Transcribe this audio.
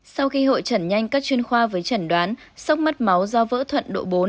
sau khi hội trần nhanh các chuyên khoa với trần đoán sốc mất máu do vỡ thuận độ bốn